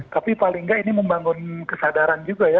tapi paling nggak ini membangun kesadaran juga ya